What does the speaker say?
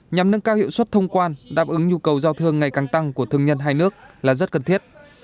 nhằm nâng cao hiệu suất thông quan đáp ứng nhu cầu giao thương ngày càng tăng của thương nhân hai nước là rất cần thiết